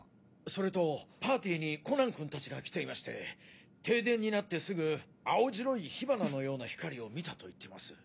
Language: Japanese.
それとパーティーにコナン君たちが来ていまして停電になってすぐ青白い火花のような光を見たと言ってます。